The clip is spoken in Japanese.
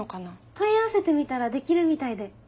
問い合わせてみたらできるみたいで。